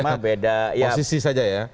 cuma beda posisi saja ya